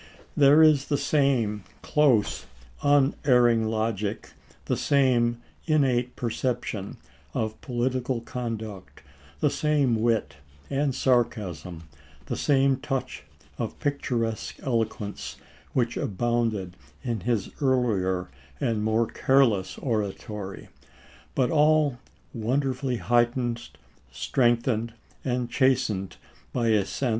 There is the same close, unerring logic, the same innate perception of political conduct, the same wit and sarcasm, the same touch of pic turesque eloquence, which abounded in his earlier and more careless oratory, but all wonderfully heightened, strengthened, and chastened by a sense HENKY WILSON.